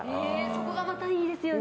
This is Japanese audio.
そこがまたいいですよね。